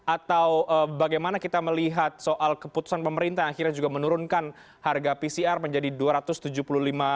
atau bagaimana kita melihat soal keputusan pemerintah akhirnya juga menurunkan harga pcr menjadi rp dua ratus tujuh puluh lima